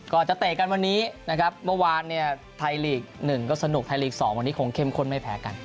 จะเตะกันวันนี้นะครับเมื่อวานเนี่ยไทยลีก๑ก็สนุกไทยลีก๒วันนี้คงเข้มข้นไม่แพ้กัน